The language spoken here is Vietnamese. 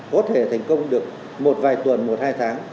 có thể thành công được một vài tuần một hai tháng